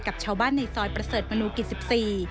กับชาวบ้านในซอยประเสริฐมนุกิ๑๔